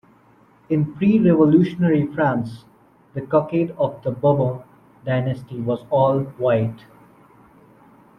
In pre-revolutionary France, the cockade of the Bourbon dynasty was all white.